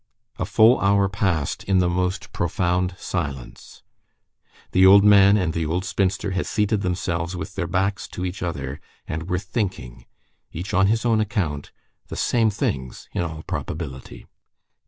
A full hour passed in the most profound silence. The old man and the old spinster had seated themselves with their backs to each other, and were thinking, each on his own account, the same things, in all probability.